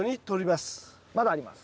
まだあります。